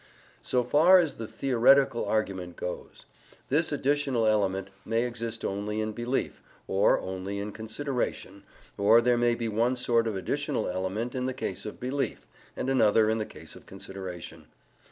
So far as the theoretical argument goes, this additional element may exist only in belief, or only in consideration, or there may be one sort of additional element in the case of belief, and another in the case of consideration.